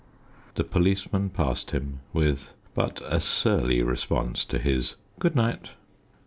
The policeman passed him with but a surly response to his "Good night."